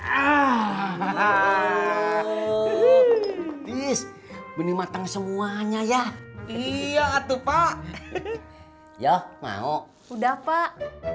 ah hahaha is benih matang semuanya ya iya atuh pak yo mau udah pak